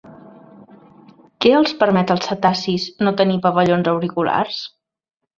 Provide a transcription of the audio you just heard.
Què els permet als cetacis no tenir pavellons auriculars?